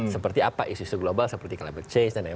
seperti apa isu isu global seperti climate change dan lain lain